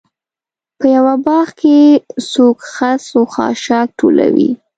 په یوه باغ کې څوک خس و خاشاک ټولوي.